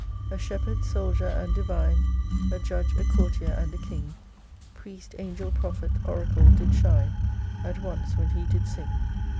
A shepherd, soldier, and divine, A judge, a courtier, and a king, Priest, angel, prophet, oracle, did shine At once when he did sing.